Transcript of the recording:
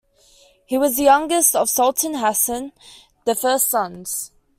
He was the youngest of Sultan Hassan the First's sons.